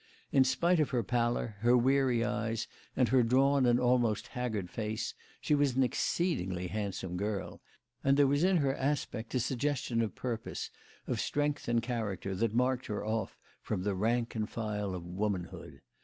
In spite of her pallor, her weary eyes, and her drawn and almost haggard face, she was an exceedingly handsome girl; and there was in her aspect a suggestion of purpose, of strength and character that marked her off from the rank and file of womanhood.